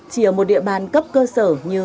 chỉ ở một địa bàn cấp cơ sở như